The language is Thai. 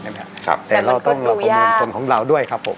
แต่มันก็ดูยากแต่เราต้องรับประมวลคนของเราด้วยครับผม